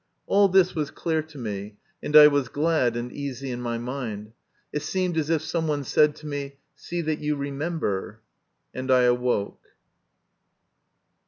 All this was clear to MY CONFESSION. 149 me, and I was glad and easy in my mind. It seemed as if someone said to me, " See that you remember !" And I awoke.